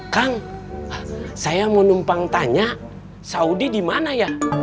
kang saya mau numpang tanya saudi dimana ya